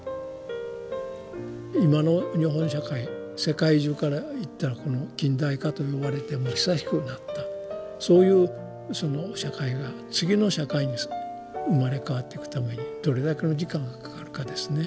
今の日本社会世界中から言ったらこの近代化と呼ばれてもう久しくなったそういう社会が次の社会に生まれ変わっていくためにどれだけの時間がかかるかですね。